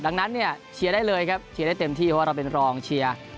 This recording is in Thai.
ดังนั้นเนี่ยเชียร์ได้เลยครับเชียร์ได้เต็มที่เพราะว่าเราเป็นรองเชียร์